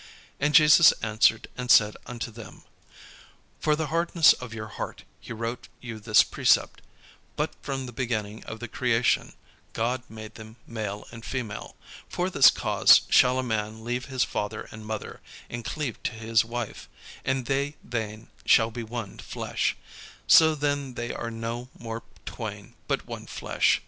And Jesus answered and said unto them: "For the hardness of your heart he wrote you this precept. But from the beginning of the creation God made them male and female. For this cause shall a man leave his father and mother, and cleave to his wife; and they twain shall be one flesh: so then they are no more twain, but one flesh.